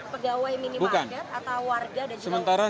pegawai minimarket atau warga dan juga ojek online